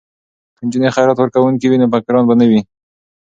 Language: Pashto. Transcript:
که نجونې خیرات ورکوونکې وي نو فقیران به نه وي.